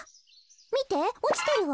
みておちてるわ。